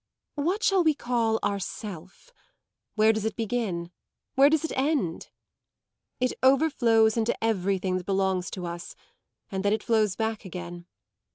What shall we call our 'self'? Where does it begin? where does it end? It overflows into everything that belongs to us and then it flows back again.